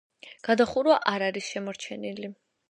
გადახურვა არ არის შემორჩენილი.